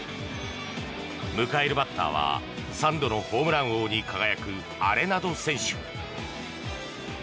迎えるバッターは３度のホームラン王に輝くアレナド選手。